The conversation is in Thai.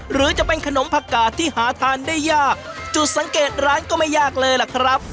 หรือจะเป็นขนมผักกาดที่หาทานได้ยากจุดสังเกตร้านก็ไม่ยากเลยล่ะครับ